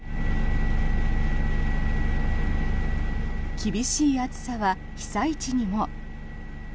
厳しい暑さは被災地にも。